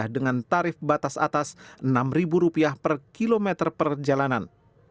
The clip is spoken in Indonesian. dengan tarif batas atas rp enam per kilometer per jalanan